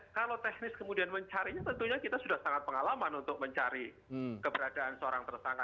kalau teknis kemudian mencarinya tentunya kita sudah sangat pengalaman untuk mencari keberadaan seorang tersangka